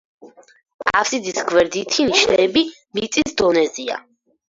აბსიდის გვერდითი ნიშები მიწის დონეზეა.